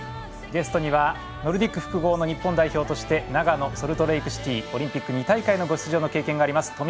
ゲストにはノルディック複合の日本代表として長野、ソルトレークシティーオリンピック２大会の出場のご経験があります。